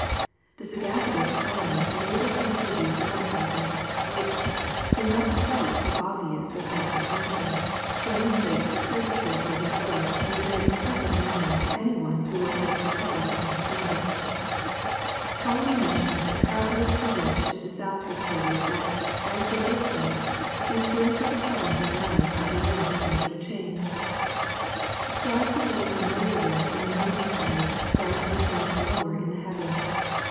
The sagacity of Ptolemy enabled him to adduce another argument, which, though not quite so obvious as that just mentioned, demonstrates the curvature of the earth in a very impressive manner to anyone who will take the trouble to understand it. Ptolemy mentions that travellers who went to the south reported, that, as they did so, the appearance of the heavens at night underwent a gradual change. Stars that they were familiar with in the northern skies gradually sank lower in the heavens.